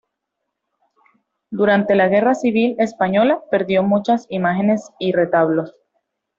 Durante la Guerra Civil española perdió muchas imágenes y retablos.